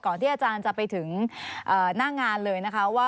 ก่อนที่อาจารย์จะไปถึงหน้างานเลย